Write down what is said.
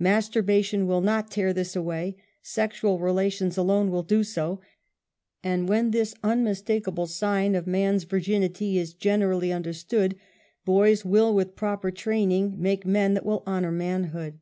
Masturbation will not tear this away ; sexual relations alone loill do so, and when this unmistakable sign of man's virginity is generally understood, boys will, with proper training, make men that will honor manhood.